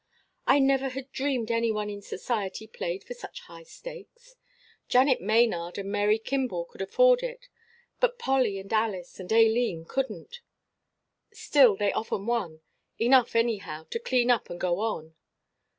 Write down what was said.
"I never had dreamed any one in society played for such high stakes. Janet Maynard and Mary Kimball could afford it, but Polly and Alice and Aileen couldn't. Still they often won enough, anyhow, to clean up and go on.